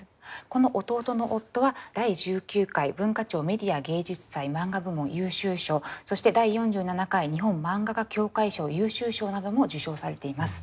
この「弟の夫」は第１９回文化庁メディア芸術祭マンガ部門優秀賞そして第４７回日本漫画家協会賞優秀賞なども受賞されています。